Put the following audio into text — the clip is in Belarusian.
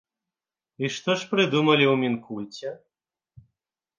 І што ж прыдумалі ў мінкульце?